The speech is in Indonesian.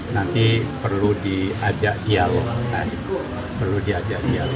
nanti perlu diajak dialog